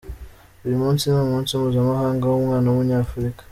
Uyu munsi ni umunsi mpuzamahanga w’umwana w’umunyafurika.